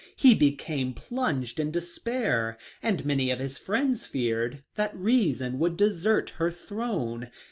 He became plunged in despair, and many of his friends feared that reason would desert her throne.